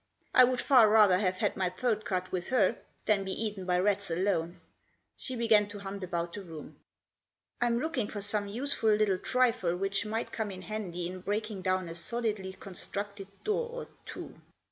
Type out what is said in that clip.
I would far rather have had my throat cut with her than be eaten by rats alone. She began to hunt about the room. "Fm looking for some useful little trifle which might come in handy in breaking down a solidly constructed door or two.